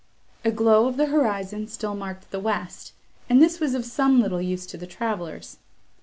A glow of the horizon still marked the west, and this was of some little use to the travellers.